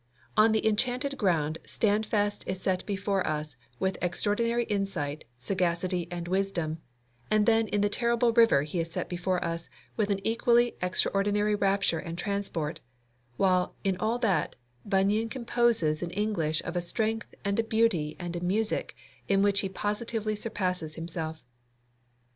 On the Enchanted Ground Standfast is set before us with extraordinary insight, sagacity, and wisdom; and then in the terrible river he is set before us with an equally extraordinary rapture and transport; while, in all that, Bunyan composes in English of a strength and a beauty and a music in which he positively surpasses himself.